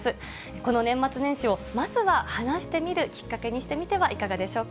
この年末年始をまずは話してみるきっかけにしてみてはいかがでしょうか。